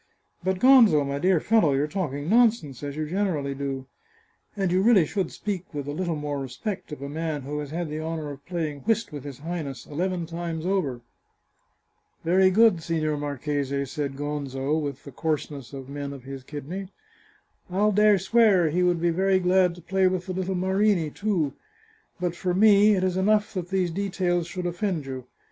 " But, Gonzo, my dear fellow, you are talking nonsense, as you generally do. And you really should speak with a little more respect of a man who has had the honour of play ing whist with his Highness eleven times over." " Very good, Signor Marchese," said Gonzo, with the coarseness of men of his kidney. " I'll dare swear he would be very glad to play with the little Marini too. But for me it is enough that these details should offend you.